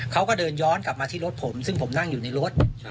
เขาก็เดินย้อนกลับมาที่รถผมซึ่งผมนั่งอยู่ในรถ